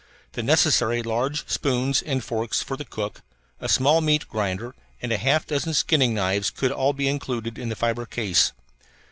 The necessary large spoons and forks for the cook, a small meat grinder, and a half dozen skinning knives could all be included in the fibre case.